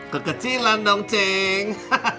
kekecilan dong ceng